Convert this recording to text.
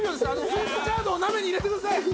スイスチャードを鍋に入れてください！